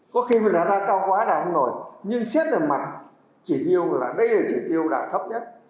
có khi mình đạt ra cao quá là đạt không nổi nhưng xét ra mặt chỉ tiêu là đây là chỉ tiêu đạt thấp nhất